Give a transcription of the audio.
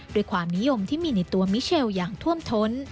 ด้วยความนิยมที่มีในตัวมิเชลอย่างท่วมท้น